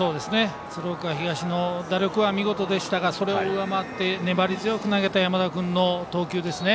鶴岡東の打力は見事でしたが、それを上回って粘り強く投げた、山田君の投球ですね。